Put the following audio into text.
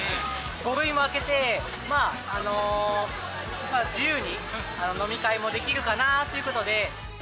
５類に明けて、自由に飲み会もできるかなということで。